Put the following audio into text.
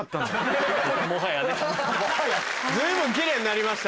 随分奇麗になりました。